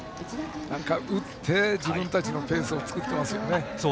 打って、自分たちのペースを作ってますね。